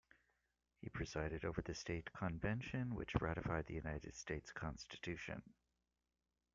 He presided over the state convention which ratified the United States Constitution.